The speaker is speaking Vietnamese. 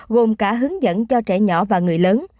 gồm cả hướng dẫn cho trẻ nhỏ và người lớn